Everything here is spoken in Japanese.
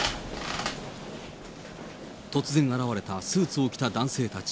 突然現れたスーツを着た男性たち。